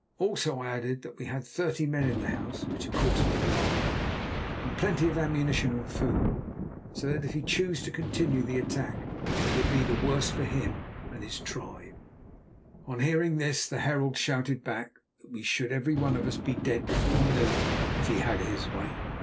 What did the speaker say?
Also, I added, that we had thirty men in the house (which, of course, was a lie) and plenty of ammunition and food, so that if he chose to continue the attack it would be the worse for him and his tribe. On hearing this the herald shouted back that we should every one of us be dead before noon if he had his way.